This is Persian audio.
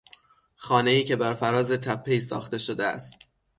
خانهای که برفراز تپهای ساخته شده است